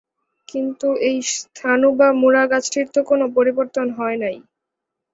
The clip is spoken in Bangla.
কিন্তু এই স্থাণু বা মুড়া গাছটির তো কোন পরিবর্তন হয় নাই।